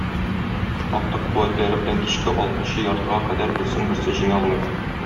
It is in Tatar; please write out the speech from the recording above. Актык куәтләре белән кичке алтынчы яртыга кадәр берсен-берсе җиңә алмый.